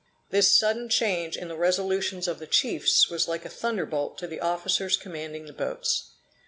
This sudden change in the resolutions of the chiefs was like a thunderbolt to the officers commanding the boats.